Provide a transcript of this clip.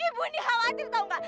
ibu ini khawatir tahu mbak